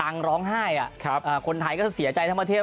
ร้องไห้คนไทยก็เสียใจทั้งประเทศ